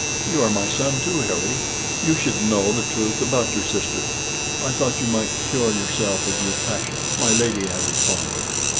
You are my son, too, Harry. You should know the truth about your sister. I thought you might cure yourself of your passion," my lady added, fondly.